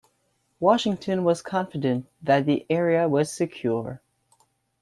Washington was confident that the area was secure.